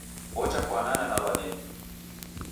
Ochafwanana ni w'anedu